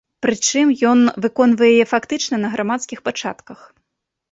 Прычым, ён выконвае яе фактычна на грамадскіх пачатках.